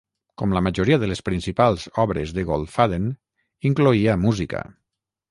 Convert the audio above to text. Com la majoria de les principals obres de Goldfaden, incloïa música.